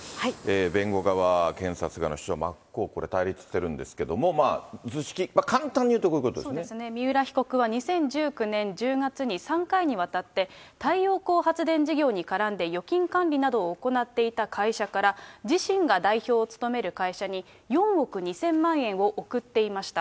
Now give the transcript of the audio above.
弁護側、検察側の主張、真っ向、これ対立しているんですけれども、図式、簡単に言うとこういうこと三浦被告は２０１９年１０月に３回にわたって、太陽光発電事業に絡んで預金管理などを行っていた会社から、自身が代表を務める会社に４億２０００万円を送っていました。